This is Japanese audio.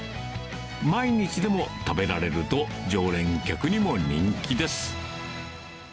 毎日でも食べられると、常連客にも人気です。